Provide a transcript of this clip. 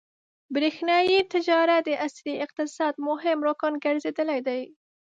برېښنايي تجارت د عصري اقتصاد مهم رکن ګرځېدلی دی.